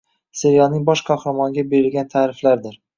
serialining bosh qahramoniga berilgan ta’riflardir.